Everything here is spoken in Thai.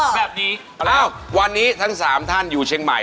แบบนี้วันนี้ทั้ง๓ท่านอยู่เชียงใหม่